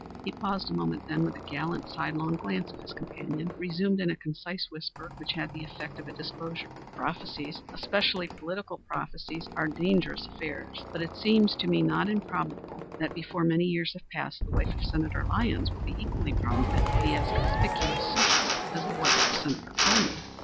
He paused a moment, then, with a gallant sidelong glance at his companion, resumed in a concise whisper, which had the effect of a disclosure, "Prophecies, especially political prophecies, are dangerous affairs, but it seems to me not improbable that before many years have passed the wife of Senator Lyons will be equally prominent be as conspicuous socially as the wife of Senator Colman."